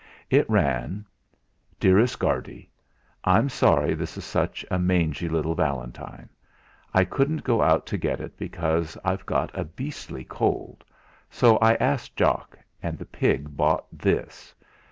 It ran: "DEAREST GUARDY, I'm sorry this is such a mangy little valentine; I couldn't go out to get it because I've got a beastly cold, so I asked Jock, and the pig bought this.